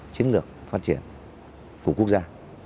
chiến lược phát triển của quốc gia